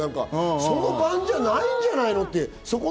その夜じゃないんじゃないの？っていう。